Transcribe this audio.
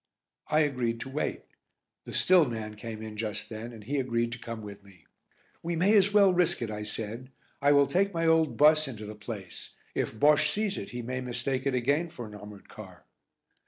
I agreed to wait, the "still" man came in just then, and he agreed to come with me. "We may as well risk it," I said. "I will take my old bus into the place. If Bosche sees it he may mistake it again for an armoured car."